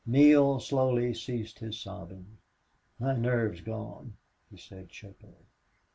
Neale slowly ceased his sobbing. "My nerve's gone," he said, shakily.